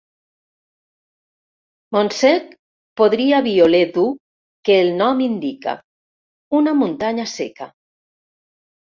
Montsec podria violer dur que el nom indica: una muntanya seca.